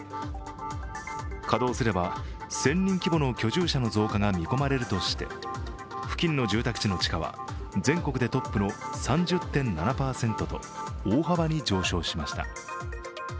稼働すれば、１０００人規模の居住者の増加が見込まれるとして付近の住宅地の地価は全国でトップの３０．７％と大幅に上昇しました。